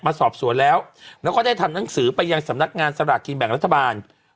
มาสอบสวนแล้วแล้วก็ได้ทำหนังสือไปยังสำนักงานสลากกินแบ่งรัฐบาล